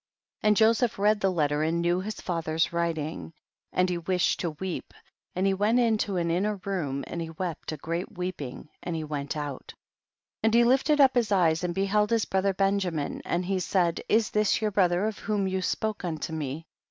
8. And Joseph read the letter and knew his father's writing, and he wished to weep and he went into an inner room and he wept a great weeping ; and he went out. 9. And he lifted up his eyes and beheld his brother Benjamin, and he said, is this your brother of whom you spoke unto me?